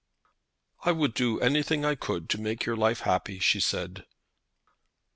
"I would do anything I could to make your life happy," she said.